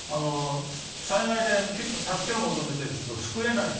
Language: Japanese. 災害で助けを求めている人を救えないと。